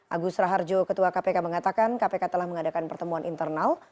agus raharjo ketua kpk mengatakan kpk telah mengadakan pertemuan internal